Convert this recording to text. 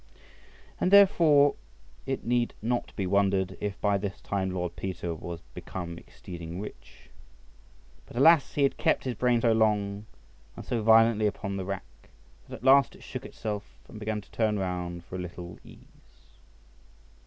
And therefore it need not be wondered if by this time Lord Peter was become exceeding rich. But alas! he had kept his brain so long and so violently upon the rack, that at last it shook itself, and began to turn round for a little ease.